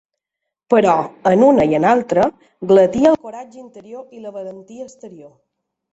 Però, en una i en altra, glatia el coratge interior i la valentia exterior.